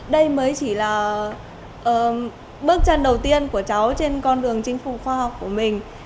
đây mới chỉ là bước chân đầu tiên của cháu trên con đường chính phủ khoa học của mình